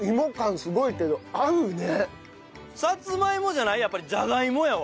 さつまいもじゃないやっぱりじゃがいもやわ。